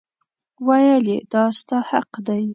ویل یې دا ستا حق دی.